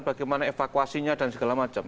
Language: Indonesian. bagaimana evakuasinya dan segala macam